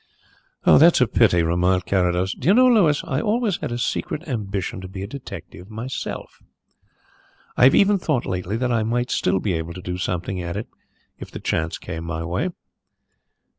"That's a pity," remarked Carrados. "Do you know, Louis, I always had a secret ambition to be a detective myself. I have even thought lately that I might still be able to do something at it if the chance came my way.